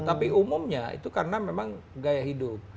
tapi umumnya itu karena memang gaya hidup